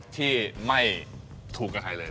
ที่ไม่ถูกกับใครเลย